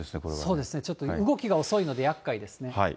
そうですね、動きが遅いので、やっかいですね。